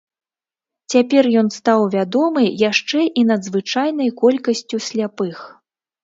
Цяпер ён стаў вядомы яшчэ і надзвычайнай колькасцю сляпых.